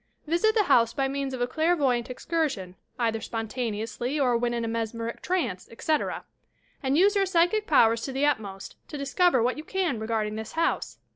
Visit the house by means of a clairvoyant excursion, either spontaneously or when in a mesmeric trance, .et<;., and use your psychic powers to the utmost, to discovpr what you can regarding this house.